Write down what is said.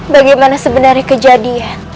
bagaimana sebenarnya kejadian